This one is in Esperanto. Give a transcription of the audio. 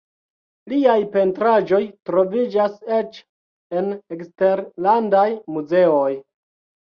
Liaj pentraĵoj troviĝas eĉ en eksterlandaj muzeoj.